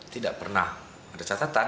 tidak pernah ada catatan